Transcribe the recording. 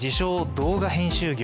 ・動画編集業